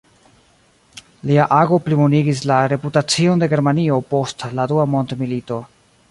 Lia ago plibonigis la reputacion de Germanio post la dua mondmilito.